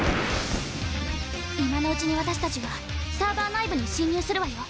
今のうちに私たちはサーバー内部に侵入するわよ。